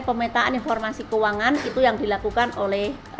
pemetaan informasi keuangan itu yang dilakukan oleh